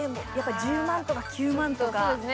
１０万とか９万とか。